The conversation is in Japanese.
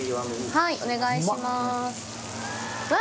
はいお願いします。